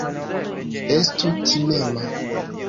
Estu timema.